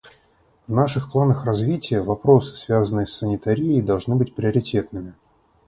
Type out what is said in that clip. В наших планах развития вопросы, связанные с санитарией, должны быть приоритетными.